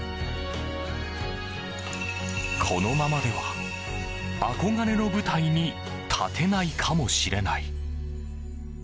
このままでは憧れの舞台に立てないかもしれない。